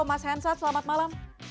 mas hensat selamat malam